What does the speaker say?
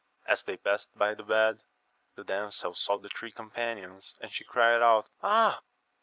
As they passed by the bed, the damsel saw the three companions, and she cried out, Ah